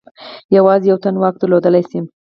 یوازې یو تن واک درلودلای شي.